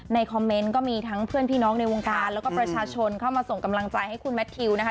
คอมเมนต์ก็มีทั้งเพื่อนพี่น้องในวงการแล้วก็ประชาชนเข้ามาส่งกำลังใจให้คุณแมททิวนะคะ